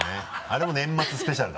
あれは年末スペシャル？